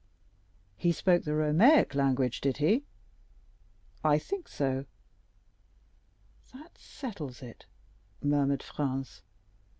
"He spoke the Romaic language, did he?" "I think so." "That settles it," murmured Franz.